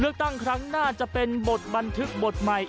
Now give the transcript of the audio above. เลือกตั้งครั้งหน้าจะเป็นบทบันทึกบทใหม่